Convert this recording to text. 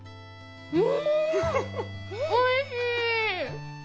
うんおいしい。